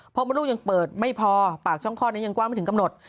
เพราะมดลูกยังเปิดไม่พอปากช่องคลอดนี้ยังกว้างไม่ถึงกำหนด